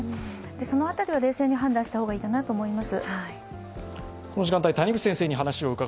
そのあたりを冷静に判断した方がいいかなと思います。